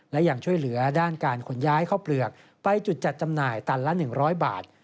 และยังช่วยเหลือด้านการขนย้ายข้าวเปลือกไปจุดจัดจำหน่ายตันละ๑๐๐บาท